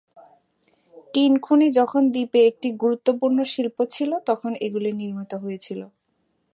Tin খনি যখন দ্বীপে একটি গুরুত্বপূর্ণ শিল্প ছিল তখন এগুলি নির্মিত হয়েছিল।